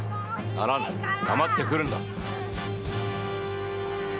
ならぬ黙って来るんだ。